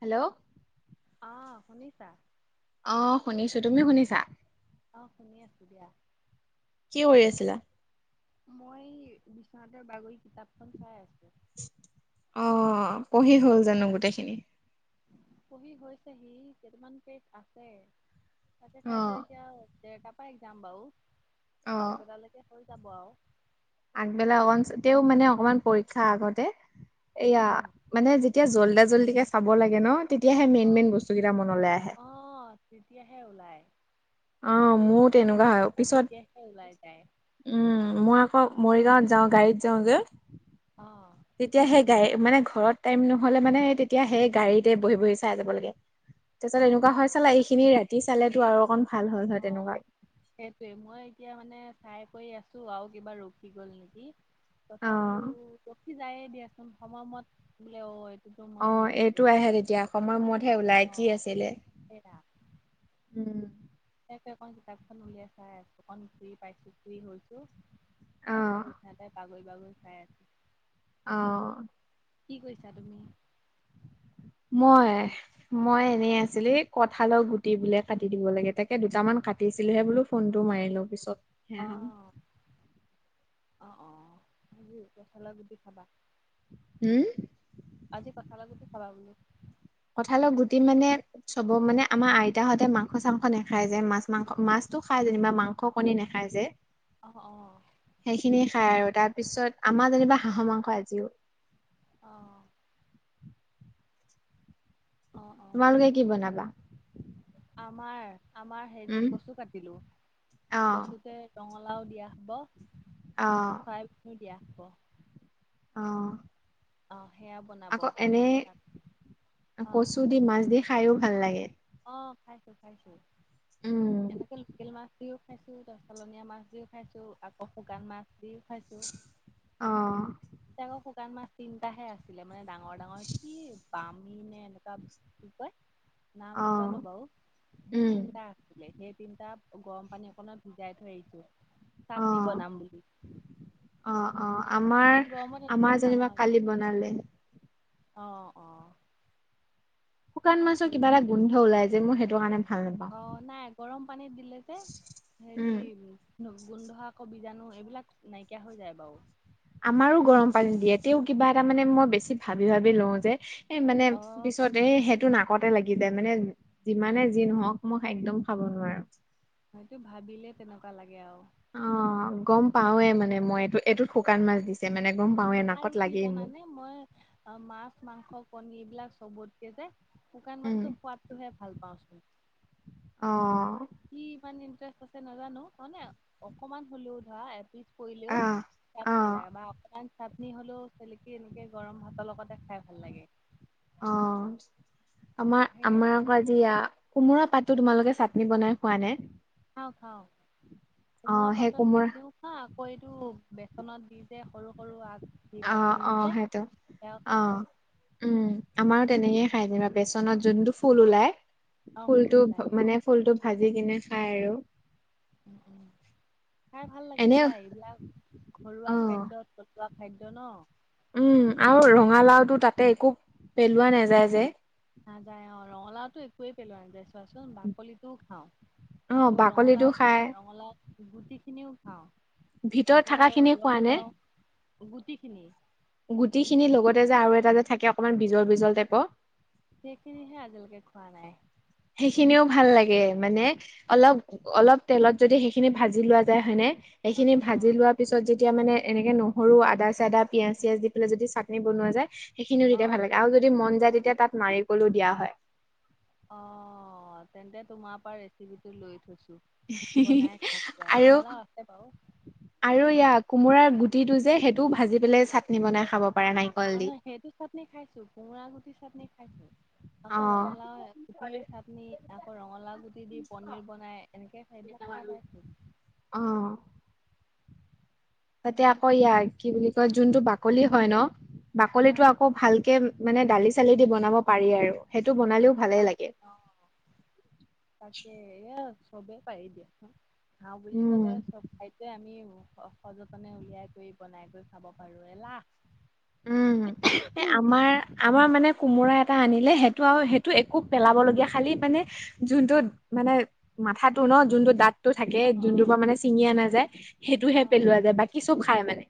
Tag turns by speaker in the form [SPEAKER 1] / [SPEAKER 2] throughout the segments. [SPEAKER 1] Hello
[SPEAKER 2] অহ', শুনিছা।
[SPEAKER 1] অহ শুনিছো তুমি শুনিছা।
[SPEAKER 2] অহ শুনি আছোঁ দিয়া।
[SPEAKER 1] কি কৰি আছিলা।
[SPEAKER 2] মই বিচনাতে বাগৰি কিতাপখন চাই আছিলোঁ।
[SPEAKER 1] অহ পঢ়ি হ'ল জানো গোটেইখিনি।
[SPEAKER 2] পঢ়ি হৈছেহি কেইটামান পেজ আছে তাকে কাইলৈ
[SPEAKER 1] অ',
[SPEAKER 2] এতিয়া। ডেৰটাৰ পাই একজাম বাও
[SPEAKER 1] অ',
[SPEAKER 2] পাছবেলালৈকে হৈ যাব আও।
[SPEAKER 1] আগবেলা অকন তেওঁ মানে অকমান পৰীক্ষা আগতে এয়া।
[SPEAKER 2] উম
[SPEAKER 1] মানে যেতিয়া জল্দা জল্দিকে চাব লাগে ন, তেতিয়াহে মেইন, মেইন বস্তুকেইটা মনলে আহে!
[SPEAKER 2] অহ' তেতিয়াহে ওলাই
[SPEAKER 1] অ',
[SPEAKER 2] পেইজ
[SPEAKER 1] মোৰো তেনেকুৱা
[SPEAKER 2] মেলিলে
[SPEAKER 1] হয় পিছত
[SPEAKER 2] তেতিয়া ওলাই যায়!
[SPEAKER 1] উম, মই আকৌ মৰিগাঁৱত যাওঁ গাড়ীত যাওঁ যে।
[SPEAKER 2] অহ
[SPEAKER 1] তেতিয়া সেই গাড়ী মানে ঘৰত টাইম নহলে মানে তেতিয়া সেই গাড়ীতে বহি বহি চাই যাব লাগে
[SPEAKER 2] [unintelligible]
[SPEAKER 1] তাৰপিছত এনেকুৱা
[SPEAKER 2] অ
[SPEAKER 1] হয় চালা এইখিনি ৰাতি চালেতো আৰু অকণ ভাল হ'ল হয়
[SPEAKER 2] অ
[SPEAKER 1] তেনেকুৱা।
[SPEAKER 2] সেইটোৱে মই এতিয়া মানে চাই কৰি আছো আৰু কিবা ৰখি গল নেকি
[SPEAKER 1] অ',
[SPEAKER 2] তথাপিও ৰখি যায়ে দিয়াচোন সময়মত বোলে অ এইটোতো
[SPEAKER 1] অ
[SPEAKER 2] মই হেৰি
[SPEAKER 1] এইটো
[SPEAKER 2] নকৰি
[SPEAKER 1] আহে তেতিয়া সময়তহে ওলাই কি
[SPEAKER 2] অ',
[SPEAKER 1] আছিলে উম
[SPEAKER 2] সে এখন কিতাপখন উলিয়াই চাই‌ আছো অকন ফ্ৰি পাইছো ফ্ৰি হৈছো
[SPEAKER 1] অ
[SPEAKER 2] তাকে বিচনাতে বাগৰি বাগৰি চাই আছো
[SPEAKER 1] অ
[SPEAKER 2] কি কৰিছা তুমি
[SPEAKER 1] মই মই এনে আছিলো কঠালৰ গুটি বোলে কাটি দিব লাগে তাকে দুটামান কাটি কাটিছিলোহে বোলো ফোনটো মাৰি লও পিছত সেয়া
[SPEAKER 2] অ
[SPEAKER 1] হল।
[SPEAKER 2] অ অ আজি কঠালৰ গুটি খাবা
[SPEAKER 1] হুম
[SPEAKER 2] আজি কঠালৰ গুটি খাবা বোলো
[SPEAKER 1] কঠালৰ গুটি মানে চবৰ মানে আমাৰ আইতাহঁতে মাংস চাংস নাখায় যে মাছ মাংস মাছটো খাই যেনিবা মাংস স কণী নাখায় যে
[SPEAKER 2] অ অ
[SPEAKER 1] সেইখিনি খাই আৰু তাৰ পিছত আমাৰ যেনিবা হাঁহৰ মাংস আজি
[SPEAKER 2] অ অ অ
[SPEAKER 1] তোমালোকে কি বনাবা
[SPEAKER 2] আমাৰ আমাৰ হেৰি
[SPEAKER 1] উম
[SPEAKER 2] কচু কাটিলো
[SPEAKER 1] অ
[SPEAKER 2] কচুকে ৰঙলাও দিয়া হব
[SPEAKER 1] অ
[SPEAKER 2] পাইপতো দিয়া হ'ব
[SPEAKER 1] অ
[SPEAKER 2] অ সেয়া বনাব
[SPEAKER 1] আকৌ এনে
[SPEAKER 2] তাৰপিছত অ
[SPEAKER 1] কচু দি মাছ দি খায়ো ভাল লাগে।
[SPEAKER 2] অ খাইছো খাইছো
[SPEAKER 1] উম
[SPEAKER 2] এনেকে লোকেল মাছ দিও খাইছো ত চালনীয়া মাছ দিও খাইছো আকৌ শুকান মাছ দিও খাইছো
[SPEAKER 1] অ
[SPEAKER 2] তাকো শুকান মাছ তিনটাহে আছিলে মানে ডাঙৰ ডাঙৰ কি বামী নে এনেকুৱা কি কয় নাম
[SPEAKER 1] অ',
[SPEAKER 2] নাজানো বাৰু সেই
[SPEAKER 1] উম,
[SPEAKER 2] তিনটা সেই তিনটা গৰম পানী অকনত ভিজাই থৈ আহিছো চাটনি
[SPEAKER 1] অ',
[SPEAKER 2] বনাম বুলি
[SPEAKER 1] অ অ আমাৰ
[SPEAKER 2] গৰমত এনেকে
[SPEAKER 1] আমাৰ
[SPEAKER 2] খাম
[SPEAKER 1] যেনিবা
[SPEAKER 2] আৰু
[SPEAKER 1] কালি বনালে
[SPEAKER 2] অ অ
[SPEAKER 1] শুকান মাছৰ
[SPEAKER 2] তাকে
[SPEAKER 1] কিবা এটা গোন্ধ ওলায় যে মোৰ সেইটো কাৰণে ভাল নাপাওঁ।
[SPEAKER 2] অ নাই গৰম পানীত দিলে যে হেৰি
[SPEAKER 1] উম,
[SPEAKER 2] গোন্ধ আকৌ বিজাণু এইবিলাক নাইকিয়া হৈ যায় বাৰু
[SPEAKER 1] আমাৰো গৰম পানী দিয়ে তেও কিবা এটা মানে মই বেছি ভাবি ভাবি লও যে এ মানে
[SPEAKER 2] অ
[SPEAKER 1] পিছত তে সেইটো নাকতে লাগি যায় মানে যিমানে যি নহওক মই একদম খাব নোৱাৰো
[SPEAKER 2] হয়তো ভাবিলে তেনেকুৱা লাগে আৱ
[SPEAKER 1] অ গম পাওৱে মানে মই এই এইটোত শুকান মাছ দিছে ছে মানে গম পাওৱে
[SPEAKER 2] আৰু কি জানানে মই মাছ মাংস কণী এইবিলাক চবতকে যে- শুকান
[SPEAKER 1] উম,
[SPEAKER 2] মাছটো সোৱাতটোহে ভাল পাওঁচোন।
[SPEAKER 1] অ।
[SPEAKER 2] কি ইমান ইণ্টাৰেষ্ট আছে নাজানো মানে অকমান হ'লেও ধৰা এপিছ- পৰিলেও,
[SPEAKER 1] আহ
[SPEAKER 2] খাই
[SPEAKER 1] অ
[SPEAKER 2] ভাল লাগে বা অকণমান - নি হ'লেও চেলেকি এনেকে গৰম ভাতৰ লগতে খাই ভাল লাগে।
[SPEAKER 1] অ', আমাৰ
[SPEAKER 2] সেয়া
[SPEAKER 1] আমাৰ কাজিয়া, কোমোৰা পাতো তোমালোকে চাটনি বনাই খোৱা নে?
[SPEAKER 2] অ খাওঁ,
[SPEAKER 1] অ
[SPEAKER 2] কোমোৱা
[SPEAKER 1] সেই
[SPEAKER 2] পাতৰ
[SPEAKER 1] কোমোৰা
[SPEAKER 2] চাটনিও ন আকৌ এইটো বেচনত দি যে সৰু সৰু আগ
[SPEAKER 1] অ অ
[SPEAKER 2] পাতখিনিতে
[SPEAKER 1] সেইটো
[SPEAKER 2] সেয়াও
[SPEAKER 1] অ
[SPEAKER 2] খাওঁ।
[SPEAKER 1] উম আমাৰো তেনেকয়ে খায় যেনিবা বেচনত যোনটো ফুল ওলাই
[SPEAKER 2] আৰু ফুল
[SPEAKER 1] ফুলটো
[SPEAKER 2] ওলাই অ'
[SPEAKER 1] মানে ফুল টো ভাজি কিনে খাই আৰু।
[SPEAKER 2] উম উম, খাই ভাল লাগে
[SPEAKER 1] এনে
[SPEAKER 2] দিয়া এইবিলাক, ঘৰুৱা
[SPEAKER 1] অ
[SPEAKER 2] খাদ্যত কটোৱা খাদ্য ন
[SPEAKER 1] উম আৰু ৰঙালাওতটো তাতে একো পেলোৱা নাযায় যে
[SPEAKER 2] নাযায় অ', ৰঙালাওটো একোৱেই পেলোৱা নাযায় চোৱাচোন বাকলিটোও খাওঁ।
[SPEAKER 1] অ
[SPEAKER 2] আকৌ
[SPEAKER 1] বাকলিটো
[SPEAKER 2] ৰঙালাও
[SPEAKER 1] খাই
[SPEAKER 2] খাওঁ ৰঙালাও গুটি খিনিও খাওঁ।
[SPEAKER 1] ভিতৰত
[SPEAKER 2] আকৌ
[SPEAKER 1] থকা খিনি খোৱা নে
[SPEAKER 2] ৰঙালাও গুটি খিনি
[SPEAKER 1] গুটি খিনি লগতে যে আৰু এটা যে থাকে অকণমান বিজল বিজল টাইপৰ
[SPEAKER 2] সেইখিনিহে আজিলৈকে খোৱা নাই।
[SPEAKER 1] সেইখিনিও ভাল লাগে মানে অলপ অলপ তেলত যদি সেইখিনি ভাজি লোৱা যায় হয়নে
[SPEAKER 2] অ
[SPEAKER 1] সেইখিনি
[SPEAKER 2] অ
[SPEAKER 1] ভাজি লোৱা তাৰ পিছত যেতিয়া মানে এনেকে নহৰু আদা চদা পিয়াজ চিয়াজ দি পেলাই যদি চাটনি বনোৱা যায় সেইখিনিও
[SPEAKER 2] অ
[SPEAKER 1] তেতিয়া ভাল লাগে আৰু যদি মন যায় তেতিয়া তাত নাৰিকলো দিয়া হয়।
[SPEAKER 2] অ', তেন্তে তোমাৰ পৰা ৰেচিপিটো লৈ থৈছো। বনাই খাম দিয়া
[SPEAKER 1] আৰু
[SPEAKER 2] ৰঙালাও আছে বাৰু
[SPEAKER 1] আৰু ইয়াৰ কোমোৰাৰ গুটিটো যে সেইটো ভাজি পেলাই চাটনি বনাই খাব প নাই
[SPEAKER 2] অ', সেইটো চাটনি খাইছো কোমোৰা গুটি চাটনি খাইছো।
[SPEAKER 1] অ
[SPEAKER 2] আকৌ ৰঙালাও গুটিৰ চাটনি আকৌ ৰঙালাও গুটি দি পনিৰ বনাই এনেকে খাই খাই পাইছো।
[SPEAKER 1] অ'। তাতে আকৌ ইয়াৰ কি বুলি কয় যোনটো বাকলি হয় ন
[SPEAKER 2] অ
[SPEAKER 1] বাকলিতো আকৌ ভালকে মানে দালি চালি দি বনাব পাৰি আৰু সেইটো বনালেও ভালেই
[SPEAKER 2] পাই
[SPEAKER 1] লাগে
[SPEAKER 2] অ', তাকে এয়া চবেই পাৰি দিয়া চোন। খাও বুলি
[SPEAKER 1] উম
[SPEAKER 2] গলে চব খাদ্যয়ে আমি সযত্নে উলিয়াই কৰি বনাই কৰি খাব পাৰো এলাহ
[SPEAKER 1] উম, এই আমাৰ আমাৰ মানে কোমোৰা এটা আনিলে সেইটো আৰু সেইটো একো পেলাব লগীয়া খালি মানে- যোনটোত মানে মাথাটো ন যোনটো দাঁত- সেইটো থাকে
[SPEAKER 2] অ',
[SPEAKER 1] যোনটোৰ
[SPEAKER 2] অ',
[SPEAKER 1] পৰা মানে ছিঙি আনা যায় সেইটোহে
[SPEAKER 2] অ'।
[SPEAKER 1] পেলোৱা যায় বাকি চব খাই মানে।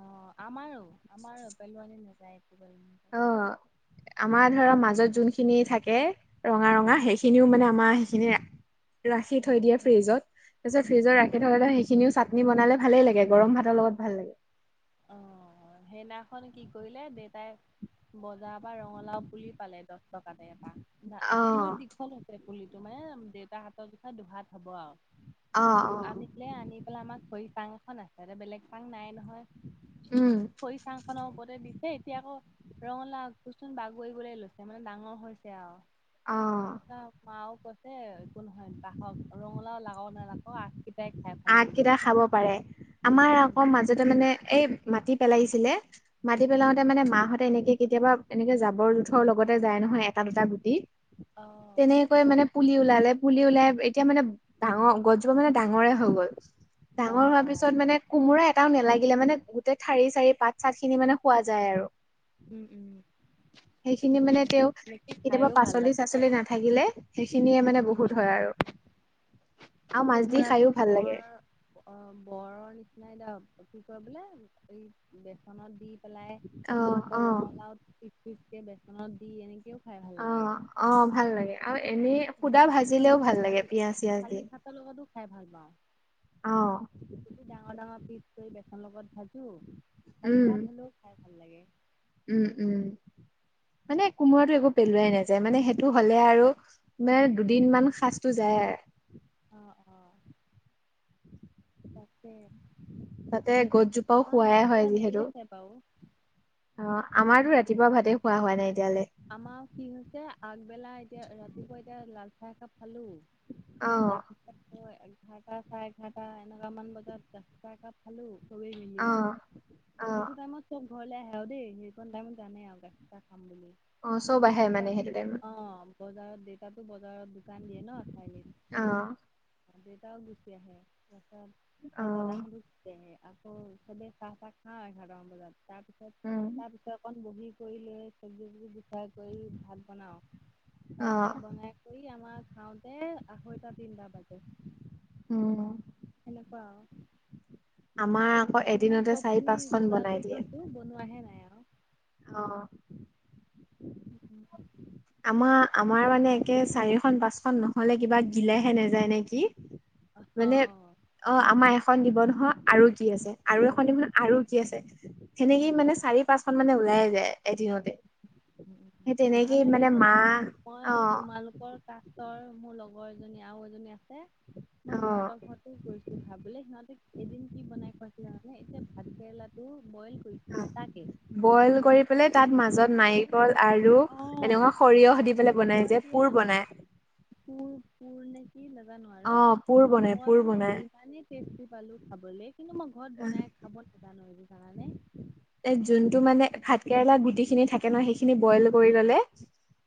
[SPEAKER 2] অ আমাৰো আমাৰো পেলোৱানি নাযায় একো। নাযায়।
[SPEAKER 1] অ, আমাৰ ধৰা মাজত যোনখিনি থাকে ৰঙা ৰঙা
[SPEAKER 2] উম।
[SPEAKER 1] সেইখিনি- সেইখিনিও মানে আমাৰ, ৰাখি থৈ দিয়ে ফ্ৰিজত। ফ্ৰিজত ৰাখি
[SPEAKER 2] অ',
[SPEAKER 1] থলে সেইখিনিও চাটনি বনালে ভালেই লাগে গৰম ভাতৰ লগত ভাল লাগে।
[SPEAKER 2] অ', সেইদিনাখন কি কৰিলে দেতাই বজাৰ পৰা ৰঙালাও পুলি পালে দহ টকাতে এটা। মৱা
[SPEAKER 1] অ
[SPEAKER 2] কিন্তু দীঘল হৈছে পুলিটো মানে দেউতাৰ হাতৰ জোখাই দুহাত হ'ব আৰু।
[SPEAKER 1] অ অ
[SPEAKER 2] আনিছিলে আনি পেলাই আমাক খৰি চাং এখন আছে এটা বেলেগ চাং নাই নহয়।
[SPEAKER 1] উম।
[SPEAKER 2] খৰি চাং খনৰ ওপৰতে দিছে এতিয়া আকৌ ৰঙালাও আগটো চোন বাগৰিবলে লৈছে মানে ডাঙৰ হৈছে আৰু
[SPEAKER 1] অ
[SPEAKER 2] [unintelligible] আও কৈছে একো নহয় বাহক ৰঙালাও লাগক নালাগক আ
[SPEAKER 1] আগকেইটা খাব পাৰে আমাৰ
[SPEAKER 2] উম
[SPEAKER 1] আকৌ মাজ জতে মানে এই মাটি পেলাইছিলে মাটি
[SPEAKER 2] উম।
[SPEAKER 1] পেলাওতে মানে মাহঁতে এনেকে কেতিয়াবা এনেকে জাবৰ -জোথৰ লগতে যায় নহয় এটা দুটা গুটি, তেনে
[SPEAKER 2] অ'।
[SPEAKER 1] কৈ মানে পুলি ওলালে পুলি ওলাই এতিয়া মানে ডাঙৰ গছজোপা মানে ডাঙৰে হৈ গ'ল।
[SPEAKER 2] অ',
[SPEAKER 1] ডাঙৰ হোৱাৰ পিছত
[SPEAKER 2] অ',
[SPEAKER 1] মানে কোমোৰা এটাও নেলাগিলে মানে গোটেই ঠাৰি- চাৰি, পাত- চাত খিনি মানে খোৱা যায় আৰু।
[SPEAKER 2] উম, উম।
[SPEAKER 1] সেইখিনি মানে
[SPEAKER 2] উম,
[SPEAKER 1] তেও
[SPEAKER 2] এনেকে
[SPEAKER 1] কেতিয়াবা
[SPEAKER 2] খাইও ভাল
[SPEAKER 1] পাচলি-
[SPEAKER 2] লাগে দিয়া।
[SPEAKER 1] চাচলি নাথা থাকিলে সেইখিনিয়ে মানে
[SPEAKER 2] উম।
[SPEAKER 1] বহুত হয় আৰু -আৰু মাছ দি
[SPEAKER 2] কোমোৰাটো
[SPEAKER 1] খায়ো
[SPEAKER 2] বৰ অ', বৰৰ নিচিনাই এতিয়া কি কয় বোলে এই বেচনত দি পেলাই
[SPEAKER 1] অ
[SPEAKER 2] আকৌ
[SPEAKER 1] অ
[SPEAKER 2] ৰঙালাওত পিচ পিচকে বেচনত দি এনেকেও খাই ভাল লাগে।
[SPEAKER 1] অ', অ', ভাল লাগে আৰু
[SPEAKER 2] মই
[SPEAKER 1] এনে
[SPEAKER 2] কিন্তু
[SPEAKER 1] সুদা ভাজিলেও ভাল লাগে পিয়াজ চিয়াজ দি।
[SPEAKER 2] তৰ লগতো খাই ভাল পাওঁ।
[SPEAKER 1] অ'।
[SPEAKER 2] কো ডাঙৰ ডাঙৰ পিচ কৰি বেচনৰ লগত ভাজো খালি ভাত হ'লেও খাই ভাল লাগে।
[SPEAKER 1] উম-উম, মানে কোমোৰাটো একো পেলোৱাই নাযায় মানে সেইটো হ'লে আৰু মানে দুদিন মান সাজটো যায় আৰ
[SPEAKER 2] অ', অ'। তাকে।
[SPEAKER 1] তে গছজোপাও
[SPEAKER 2] আমাৰ
[SPEAKER 1] খুৱাই
[SPEAKER 2] ভাত
[SPEAKER 1] হয়
[SPEAKER 2] খোৱা দেৰি
[SPEAKER 1] যিহেতু।
[SPEAKER 2] আছে বাৰু
[SPEAKER 1] অ', আমাৰতো
[SPEAKER 2] এতিয়া
[SPEAKER 1] ৰাতিপুৱাৰ ভাতে
[SPEAKER 2] চাহ
[SPEAKER 1] খোৱা হোৱা
[SPEAKER 2] তাহ
[SPEAKER 1] নাই এতিয়ালে।
[SPEAKER 2] আমাৰ কি হৈছে আগবেলা এতিয়া ৰাতিপুৱা এতিয়া লাল চাহ একাপ খালো।
[SPEAKER 1] অ
[SPEAKER 2] তাৰপিছত। অ', এঘাৰটা চাৰে এঘাৰটা এনেকুৱা মান বজাত গাখি চাহ একাপ খালো। চবেই মিলি
[SPEAKER 1] অ অ
[SPEAKER 2] সেইটো টাইমত চব ঘৰলে আহে আৰু দেই নি কন টাইমত জানে আৰু গাখীৰ চাহ খাম বুলি
[SPEAKER 1] অ চব
[SPEAKER 2] চ'
[SPEAKER 1] আহে
[SPEAKER 2] সেইটো
[SPEAKER 1] মানে
[SPEAKER 2] টাইমত [unintelligible] অ' অ' বজাৰত দেউতাটো বজাৰত দোকান দিয়ে
[SPEAKER 1] অ
[SPEAKER 2] চাৰিয়ালিত। দেউতাও গুচি আহে
[SPEAKER 1] অ
[SPEAKER 2] তাৰপাছত দাদাহতি চি আহে আকৌ চবেই চাহ- তাহ খাওঁ এঘাৰ টা মান বজাত তাৰ পিছত
[SPEAKER 1] উম।
[SPEAKER 2] তাৰ পিছৰ কণ বহি কৰি লৈ চবজি-তবজি গুচাই কৰি ভাত বনাওঁ,
[SPEAKER 1] অ
[SPEAKER 2] ভাত -চাত বনাই কৰি আমাৰ খাওঁতে আঢ়ৈটা- তিনটা বাজে।
[SPEAKER 1] উম।
[SPEAKER 2] সেনেকুৱা আৰু
[SPEAKER 1] আমাৰ আকৌ
[SPEAKER 2] সেইকাৰণে
[SPEAKER 1] এদিনতে চাৰি
[SPEAKER 2] চবখিনি
[SPEAKER 1] পাঁচখন
[SPEAKER 2] যোগাৰ
[SPEAKER 1] বনাই
[SPEAKER 2] কৰি
[SPEAKER 1] দিয়ে
[SPEAKER 2] থৈছো বনোৱাহে নাই আৰু।
[SPEAKER 1] অ'।
[SPEAKER 2] [unintelligible]
[SPEAKER 1] আমাৰ-আমাৰ মানে একে চাৰিখন পাঁচখন নহলে কিবা গিলেহে নাযায় নেকি। মানে
[SPEAKER 2] অ',
[SPEAKER 1] অ', আমাৰ এখন দিব নহয় আৰু কি আছে, আৰু এখন দিব নহয় আৰু কি আছে।
[SPEAKER 2] উম।
[SPEAKER 1] সেনেকেই মানে চাৰি পাঁচখন মানে ওলায়ে যায় এদিনত।
[SPEAKER 2] ভাল লাগে দিয়া,
[SPEAKER 1] মাহ
[SPEAKER 2] মই
[SPEAKER 1] অ
[SPEAKER 2] তোমালোকৰ কাষ অ মোৰ লগৰ এজনী আৰু এজনী আছে,
[SPEAKER 1] অ
[SPEAKER 2] মই সিহঁতৰ ঘত কৰিছো খাবলে সিহঁতে এদিন কি বনাই খোৱাইছিলে জানানে, এতিয়া ভাত কেৰেলাটো বইল কৰিছে গোটাকে,
[SPEAKER 1] কৰি
[SPEAKER 2] বইল
[SPEAKER 1] পেলাই তাত
[SPEAKER 2] কৰি
[SPEAKER 1] মাজত নাৰিকল আৰু এনেকুৱা
[SPEAKER 2] অ',
[SPEAKER 1] সৰিয়হ দি পেলাই বনাই যে পোৰ বনাই।
[SPEAKER 2] কোৰ পোৰ নে কি নাজাানো
[SPEAKER 1] অ
[SPEAKER 2] আৰু
[SPEAKER 1] পুৰ বনাই
[SPEAKER 2] মই
[SPEAKER 1] পুৰ
[SPEAKER 2] মানে
[SPEAKER 1] বনাই
[SPEAKER 2] ইমানেই। টেষ্টি পালো খাবলৈ কিন্তু মই ঘৰত বনাই খাব নাজানো জানানে।
[SPEAKER 1] এ যোনটো মানে ভাত কেৰেলা গুটি খিনি থাকে ন সেইখিনি বইল কৰি ললে,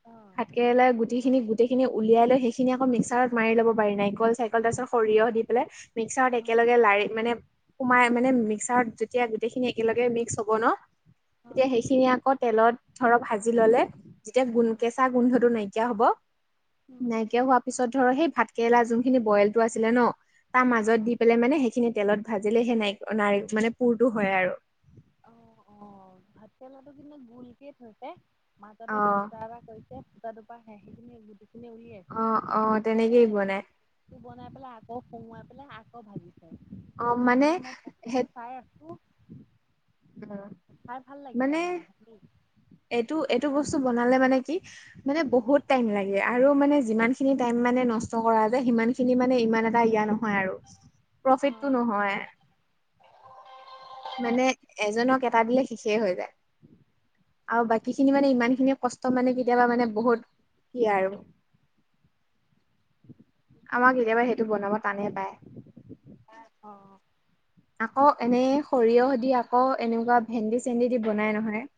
[SPEAKER 2] অ',
[SPEAKER 1] ভাত কেৰেলা গুটি। সেইখিনি গোটেইখিনি উলিয়াই লৈ সেইখিনি আকৌ মিক্সাৰত মাৰি লব পাৰি, নাৰিকল-চাৰিকল তাৰ পিছত সৰিয়হ দি পেলাই মিক্সাৰত
[SPEAKER 2] অ',
[SPEAKER 1] একেলগে লাৰি মানে সোমাই মানে মিক্সাৰত যেতিয়া গোটেই খিনি একেলগে মিক্স হ [unintelligible] তেতিয়া
[SPEAKER 2] অ',
[SPEAKER 1] সেইখিনি আকৌ তেলত ধৰক ভাজি ললে। যেতিয়া গোন্
[SPEAKER 2] অ',
[SPEAKER 1] কেঁচা গোন্ধটো নাইকিয়া হব,
[SPEAKER 2] উম,
[SPEAKER 1] নাইকিয়া হোৱা পিছত ধৰ সেই ভাত কেৰেলা যোনখিনি বইলটো আছিলে ন, তাৰ
[SPEAKER 2] অ',
[SPEAKER 1] মাজত দি পেলাই মানে সেই খিনি তেলত ভাজিলে সে নাইক নাৰক মানে পুৰটো হয় আৰু।
[SPEAKER 2] অ', অ', ভাত কেৰেলাটো কিন্তু গোলকে থৈছে, মাজতে ফুতা
[SPEAKER 1] অ
[SPEAKER 2] এটা কৈছে [inaudible] সুতা টোপা সে-সেইখিনি গুটিখিনি
[SPEAKER 1] অ
[SPEAKER 2] উলিয়াইছো,
[SPEAKER 1] অ
[SPEAKER 2] উলিয়াই
[SPEAKER 1] তেনেকেই বনাই
[SPEAKER 2] লৈ বনাই পেলাই আকৌ সুমোৱাই পেলাই আকৌ ভাজিছে। মই মানে মই
[SPEAKER 1] সেই
[SPEAKER 2] প্ৰক্ৰিয়াটো চাই আছো। পু। ভাল
[SPEAKER 1] [inaudible]
[SPEAKER 2] লাগিল
[SPEAKER 1] মানে,
[SPEAKER 2] আৰু সেইদিনাখন
[SPEAKER 1] এইটো-এইটো বস্তু বনালে মানে কি মানে বহুত টাইম লাগে আৰু মানে যিমান খিনি টাইম মানে নষ্ট কৰা যায় সিমান খিনি মানে ইমান এটা ইয়াৰ নহ হয় আৰু, প্ৰফিতটো নহয়। মানে এজনক এটা দিলে শেষে হৈ যায়, আৰু বাকী খিনি মানে ইমান খিনিয়ে কষ্ট ত মানে কেতিয়াবা মানে বহুত, কি আৰু। আমাক কেতিয়াবা সেইটো
[SPEAKER 2] দেই
[SPEAKER 1] বনাব টানে পায়।
[SPEAKER 2] [inaudible] অ।
[SPEAKER 1] আকৌ এনেই সৰিয়হ দি আকৌ এনেকুৱা ভেন্দি-চেন্দি দি বনাই নহয়।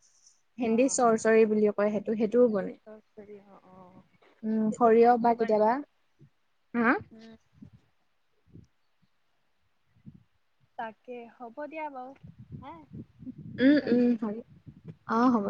[SPEAKER 2] অ
[SPEAKER 1] ভেন্দী চৰ্চৰী বুলি কয় সেইটো-সেইটোও
[SPEAKER 2] ভেন্দি
[SPEAKER 1] বনাই।
[SPEAKER 2] চচ কৰি অ অ
[SPEAKER 1] উম,
[SPEAKER 2] সেইটো
[SPEAKER 1] সৰিয়হ
[SPEAKER 2] খাইছো
[SPEAKER 1] বা
[SPEAKER 2] বাৰু
[SPEAKER 1] কেতিয়াবা। হা
[SPEAKER 2] উম। তাকে হ'ব দিয়া বাৰু হা,
[SPEAKER 1] উম
[SPEAKER 2] পিছত
[SPEAKER 1] উম
[SPEAKER 2] ফোন
[SPEAKER 1] হয়
[SPEAKER 2] কৰিম,
[SPEAKER 1] অ
[SPEAKER 2] উম।
[SPEAKER 1] হ'ব